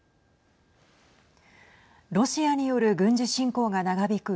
ロシアによる軍事侵攻が長引く